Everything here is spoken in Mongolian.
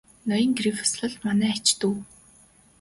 Ноён Грифитс бол манай ач дүү.